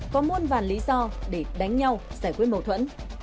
có muôn vàn lý do để đánh nhau giải quyết mâu thuẫn